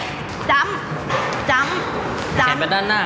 อย่างแรกเราจะเวี่ยงแขนพร้อมกระโดด